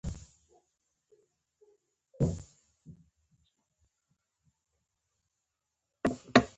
خو محبوبې يې د ناز و ادا او نازکۍ